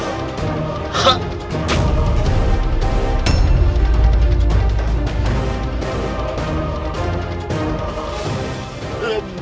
kau tidak bisa menang